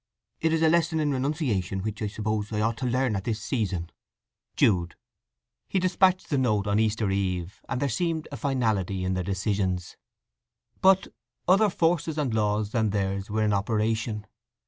It is a lesson in renunciation which I suppose I ought to learn at this season. JUDE. He despatched the note on Easter Eve, and there seemed a finality in their decisions. But other forces and laws than theirs were in operation.